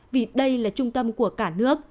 vì đây là trung tâm của cả nước